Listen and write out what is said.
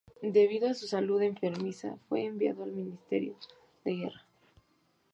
Debido a su salud enfermiza, fue enviado al Ministerio de Guerra.